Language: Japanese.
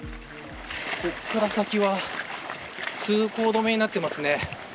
ここから先は通行止めになってますね。